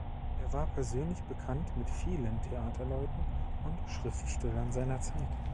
Er war persönlich bekannt mit vielen Theaterleuten und Schriftstellern seiner Zeit.